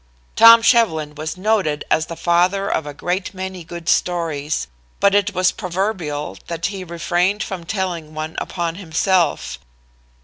Tom Shevlin was noted as the father of a great many good stories, but it was proverbial that he refrained from telling one upon himself.